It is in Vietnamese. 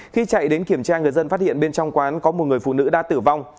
khi chạy đến kiểm tra người dân phát hiện bên trong quán có một người phụ nữ đã tử vong